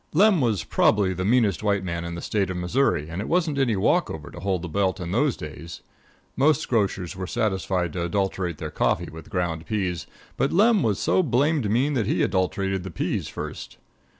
Lem was probably the meanest white man in the State of Missouri, and it wasn't any walk over to hold the belt in those days. Most grocers were satisfied to adulterate their coffee with ground peas, but Lem was so blamed mean that he adulterated the peas first.